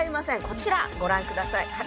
こちらご覧下さい。